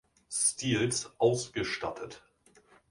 Stils ausgestattet.